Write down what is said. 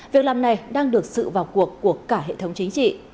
việc làm này đang được sự vào cuộc của cả hệ thống chính trị